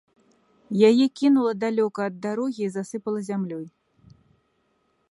Яе кінула далёка ад дарогі і засыпала зямлёй.